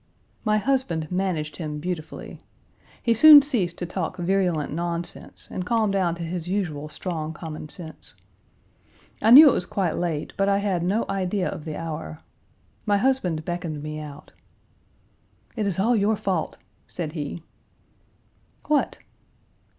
My husband managed him beautifully. He soon ceased to talk virulent nonsense, and calmed down to his usual strong common sense. I knew it was as quite late, but I had no idea of the hour. My husband beckoned me out. "It is all your fault," said he. "What?"